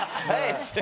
っつって。